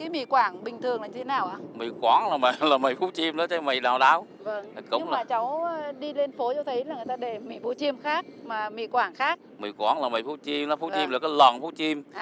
mì quảng là mì phú chiêm đó phú chiêm là cái lòn phú chiêm